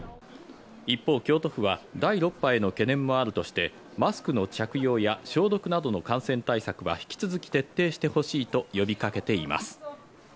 一方、京都府は、第６波への懸念もあるとして、マスクの着用や消毒などの感染対策は、引き続き徹底してほしいと呼びかけています。